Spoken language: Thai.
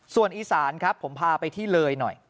ส่วนอีสานครับผมพาไปที่เลยหน่อย